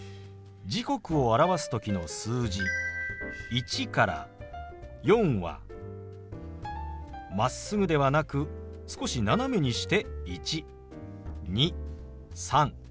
時刻を表す時の数字１から４はまっすぐではなく少し斜めにして１２３４。